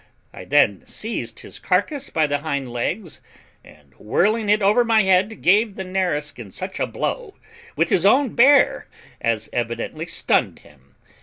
I then seized his carcase by the hind legs, and whirling it over my head, gave the Nareskin such a blow with his own bear as evidently stunned him.